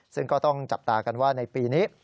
ซึ่งก็ต้องจับตากันว่าในปีนี้